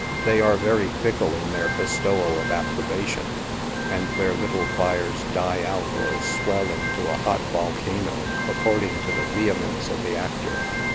They are very fickle in their bestowal of approbation, and their little fires die out or swell into a hot volcano according to the vehemence of the actor.